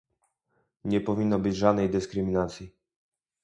Nie powinno być żadnej dyskryminacji